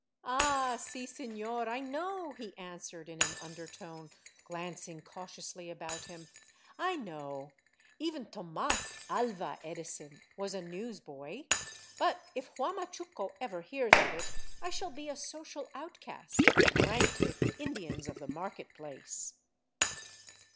" Ah, si, seiior, I know," he answered in an undertone, glancing cautiously about him, " I know ; even Tomas Aha Edison was a news boy. But if Huamachuco ever hears of it I shall be a social outcast, ranked with the Indians of the market place."